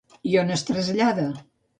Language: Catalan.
I on es trasllada?